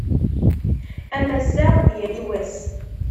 Am ass-a ad d-yali wass.